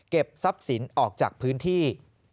ทรัพย์สินออกจากพื้นที่